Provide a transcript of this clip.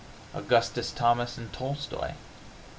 Augustus Thomas and Tolstoi!